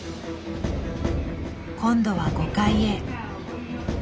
今度は５階へ。